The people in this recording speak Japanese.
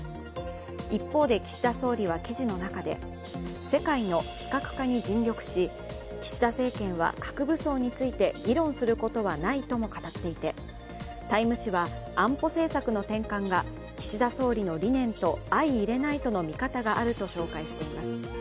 一方で、岸田総理は記事の中で、世界の非核化に尽力し岸田政権は核武装について議論することはないとも語っていて「ＴＩＭＥ」誌は安保政策の転換が岸田総理の理念と相いれないとの見方があると紹介しています。